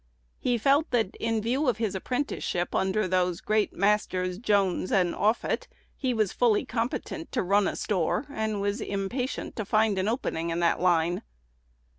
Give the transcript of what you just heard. He felt that, in view of his apprenticeship under those great masters, Jones and Offutt, he was fully competent to "run a store," and was impatient to find an opening in that line.